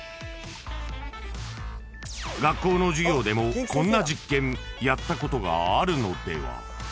［学校の授業でもこんな実験やったことがあるのでは？］